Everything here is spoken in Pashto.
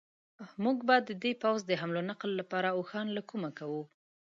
موږ به د دې پوځ د حمل و نقل لپاره اوښان له کومه کوو.